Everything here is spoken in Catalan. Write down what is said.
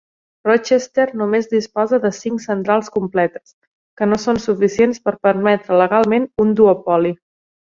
Rochester només disposa de cinc centrals completes, que no són suficients per permetre legalment un duopoli.